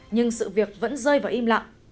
nhưng sự việc vẫn rơi vào im lặng